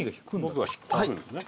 僕が引くんですね